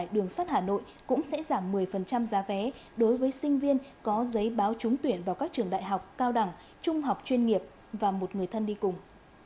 đường sắt hà nội cũng sẽ giảm một mươi giá vé đối với sinh viên có giấy báo trúng tuyển vào các trường đại học cao đẳng trung học chuyên nghiệp và một người thân đi cùng